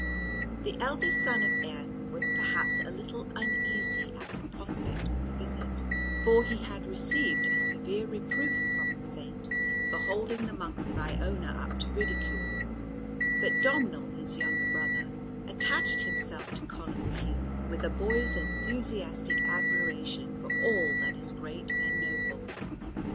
The eldest son of Aedh was perhaps a little uneasy at the prospect of the visit, for he had received a severe reproof from the Saint for holding the monks of Iona up to ridicule; but Domnal, his younger brother, attached himself to Columbcille with a boy's enthusiastic admiration for all that is great and noble.